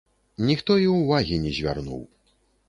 Ніхто і ўвагі не звярнуў.